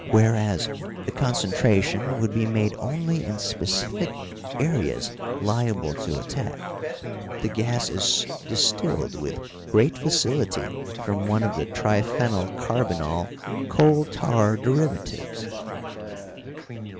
Whereas the concentration would be made only in specific areas liable to attack. The gas is distilled with great facility from one of the tri phenyl carbinol coal tar derivatives."